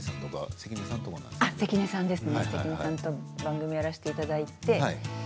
関根さんと番組をやらせていただいて。